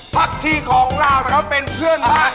ฝักชีของลาวนะคะเป็นเพื่อนมาก